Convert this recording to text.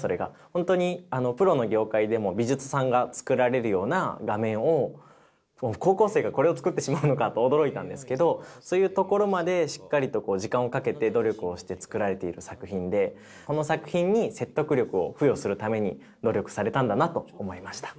本当にプロの業界でも美術さんが作られるような画面を高校生がこれを作ってしまうのかと驚いたんですけどそういうところまでしっかりと時間をかけて努力をして作られている作品でこの作品に説得力を付与するために努力されたんだなと思いました。